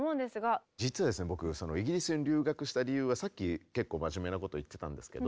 実は僕イギリスに留学した理由はさっき結構真面目なことを言ってたんですけど。